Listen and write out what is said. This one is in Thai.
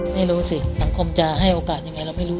ไม่รู้สิสังคมจะให้โอกาสยังไงเราไม่รู้